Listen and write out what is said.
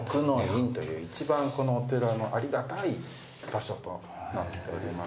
一番このお寺のありがたい場所となっております。